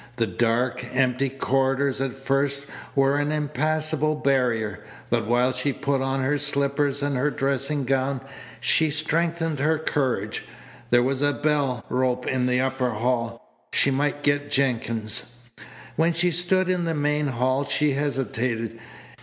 The dark, empty corridors at first were an impassable barrier, but while she put on her slippers and her dressing gown she strengthened her courage. There was a bell rope in the upper hall. She might get Jenkins. When she stood in the main hall she hesitated.